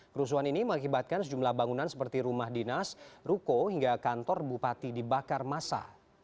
kerusuhan ini mengakibatkan sejumlah bangunan seperti rumah dinas ruko hingga kantor bupati dibakar masa